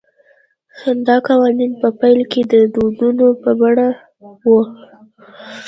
دا قوانین په پیل کې د دودونو په بڼه وو